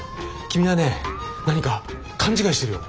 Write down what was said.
君はね何か勘違いしてるよ。